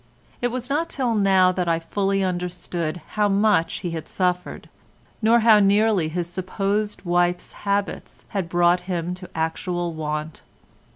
It was not till now that I fully understood how much he had suffered, nor how nearly his supposed wife's habits had brought him to actual want.